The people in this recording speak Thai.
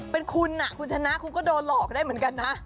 เป็นคุณคุณชนะคุณก็โดนหลอกได้เหมือนกันนะ